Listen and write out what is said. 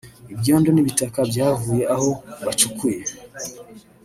ibyondo n’ibitaka byavuye aho bacukuye